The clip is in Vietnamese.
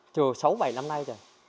chờ sáu bảy năm nay rồi